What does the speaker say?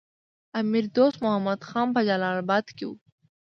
امیر دوست محمد خان په جلال اباد کې وو.